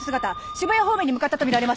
渋谷方面に向かったとみられます。